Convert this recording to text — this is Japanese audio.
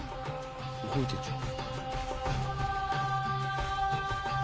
「動いてるじゃん」